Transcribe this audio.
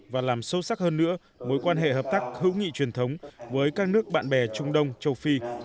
và làm sâu sắc hơn nữa mối quan hệ hợp tác hữu nghị truyền thống với các nước bạn bè trung đông châu phi